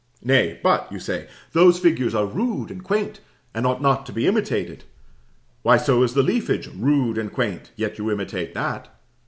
Nay, but, you say those figures are rude and quaint, and ought not to be imitated. Why, so is the leafage rude and quaint, yet you imitate that.